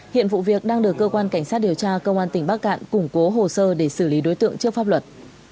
hiện vụ việc đang được cơ quan cảnh sát điều tra công an tỉnh bắc cạn củng cố hồ sơ để xử lý đối tượng trước pháp luật